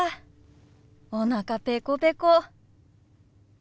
おなかペコペコ。